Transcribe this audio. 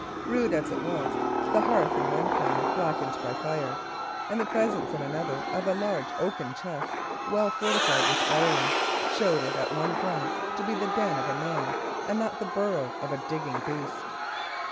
Rude as it was, the hearth in one corner, blackened by fire, and the presence in another of a large oaken chest well fortified with iron, showed it at one glance to be the den of a man, and not the burrow of a digging beast.